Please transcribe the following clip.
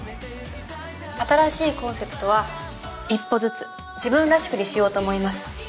新しいコンセプトは「一歩ずつ自分らしく」にしようと思います。